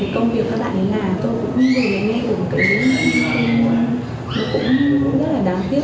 công việc các bạn làm cô cũng như vậy nghe được cái giống như thế này cũng rất là đáng tiếc